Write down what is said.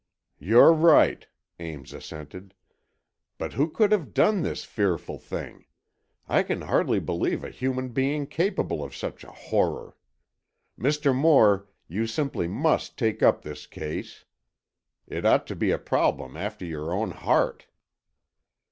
"You're right," Ames assented, "but who could have done this fearful thing? I can hardly believe a human being capable of such a horror! Mr. Moore, you simply must take up this case. It ought to be a problem after your own heart."